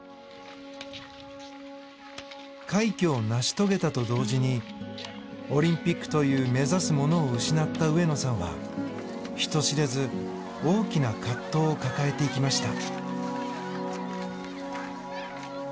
快挙を成し遂げたと同時にオリンピックという目指すものを失った上野さんは人知れず大きな葛藤を抱えていきました。